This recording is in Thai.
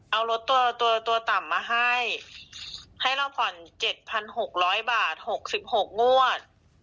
เอารถตัวต่ำมาให้ให้เราผ่อน๗๖๐๐บาท๖๖งวด